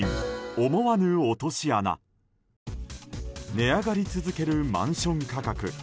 値上がり続けるマンション価格。